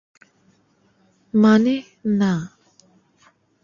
মানে, না।